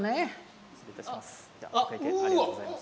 失礼いたします。